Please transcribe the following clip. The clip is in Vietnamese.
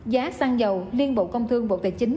giá xăng dầu liên bộ công thương bộ tài chính